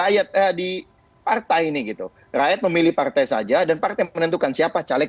ya kan menentukan satu sampai delapan